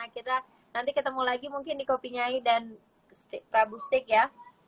kita nanti ketemu lagi mungkin di kopi nyai dan prabustik ya